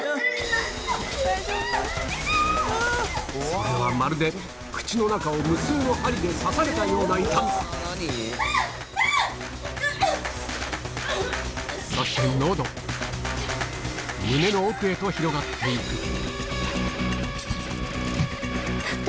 それはまるで口の中を無数の針で刺されたような痛みそしてのど胸の奥へと広がって行くあっ。